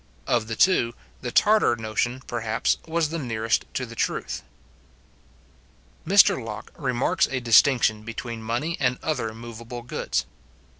Of the two, the Tartar notion, perhaps, was the nearest to the truth. Mr Locke remarks a distinction between money and other moveable goods.